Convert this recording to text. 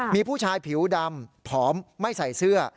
มีผู้ชายผิวดำผอมไม่ใส่เสื้อ